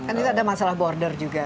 kan itu ada masalah border juga